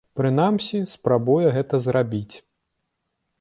Прынамсі, спрабуе гэта зрабіць.